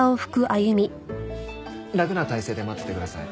楽な体勢で待っててください。